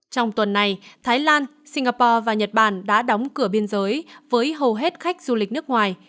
trong tuần này thái lan singapore và nhật bản đã đóng cửa biên giới với hầu hết khách du lịch nước ngoài